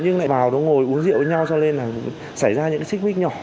nhưng lại vào đó ngồi uống rượu với nhau cho nên là xảy ra những cái xích mích nhỏ